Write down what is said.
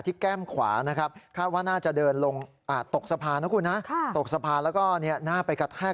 แล้วกลับมาไม่เห็นแล้วกลับออกมาแป๊บเดียวนะไม่เห็นแล้ว